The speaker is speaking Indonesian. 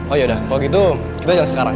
oh iya udah kalau gitu kita jalan sekarang